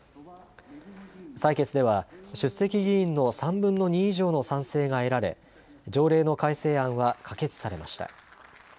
採決では、出席議員の３分の２以上の賛成が得られ、条例の改正案は可決されました。